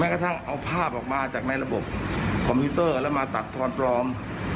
กระทั่งเอาภาพออกมาจากในระบบคอมพิวเตอร์แล้วมาตัดทอนปลอม